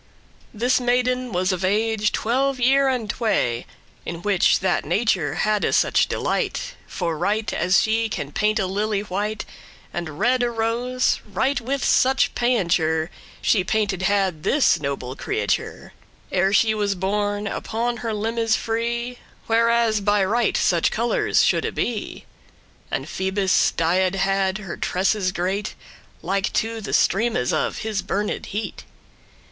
This maiden was of age twelve year and tway,* *two In which that Nature hadde such delight. For right as she can paint a lily white, And red a rose, right with such painture She painted had this noble creature, Ere she was born, upon her limbes free, Where as by right such colours shoulde be: And Phoebus dyed had her tresses great, Like to the streames* of his burned heat.